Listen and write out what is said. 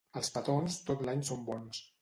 Els petons tot l'any són bons.